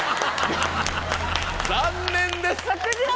残念です！